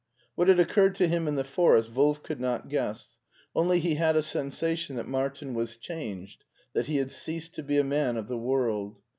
What had occurred to him in the forest Wolf could not guess, only he had a sensation that Martin was changed, that he had ceased to be a man of the world.